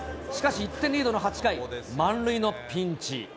しかし１点リードの８回、満塁のピンチ。